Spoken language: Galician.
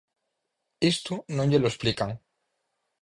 Isto non llelo explican.